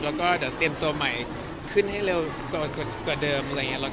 เดี๋ยวจะเตรียมตัวใหม่ขึ้นให้เร็วกว่าเดิม